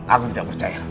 aku tidak percaya